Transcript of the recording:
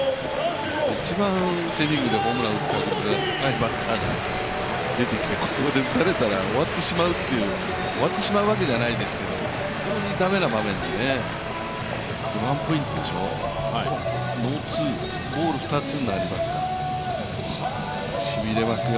一番、セ・リーグでホームランを打つ確率が高いバッターが出てきてここで打たれたら終わってしまう、終わってしまうわけじゃないですけれども、本当に駄目な場面で、ワンポイントでしょう、ノーツー、ボール２つになりました、しびれますよ。